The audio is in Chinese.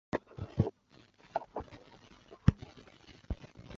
所以已经是一个参选主席的大热门。